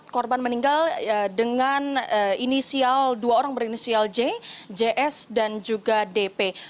korban meninggal dengan inisial dua orang berinisial j js dan juga dp